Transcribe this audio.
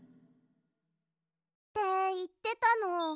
っていってたの。